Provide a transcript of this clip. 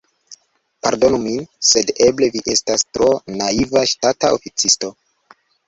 Pardonu min, sed eble vi estas tro naiva ŝtata oficisto.